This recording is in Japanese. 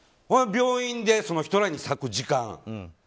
病院でその人らに割く時間。